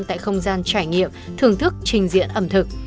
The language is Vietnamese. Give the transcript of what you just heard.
tại không gian trải nghiệm thưởng thức trình diễn ẩm thực